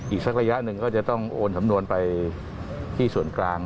อีกสักระยะหนึ่งก็จะต้องโอนสำนวนไปที่ส่วนกลาง